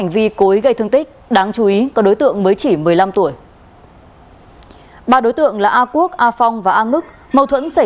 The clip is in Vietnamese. vì chúng tôi cũng rất là đồng chí